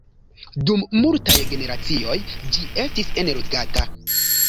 Dum multaj generacioj ĝi estis enloĝata.